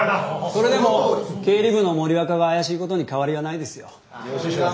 それでも経理部の森若が怪しいことに変わりはないですよ。